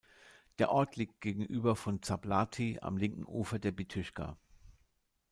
Der Ort liegt gegenüber von Záblatí am linken Ufer der Bítýška.